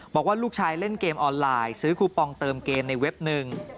บอกว่าลูกชายเล่นเกมออนไลน์ซื้อคูปองเติมเกมในเว็บหนึ่ง